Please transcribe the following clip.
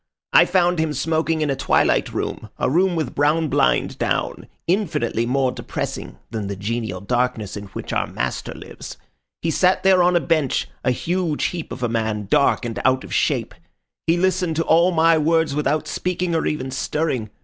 I found him smoking in a twilight room, a room with brown blind down, infinitely more depressing than the genial darkness in which our master lives. He sat there on a bench, a huge heap of a man, dark and out of shape. He listened to all my words without speaking or even stirring.